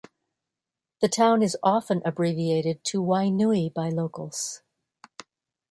The town is often abbreviated to Wainui by locals.